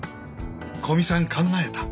古見さん考えた。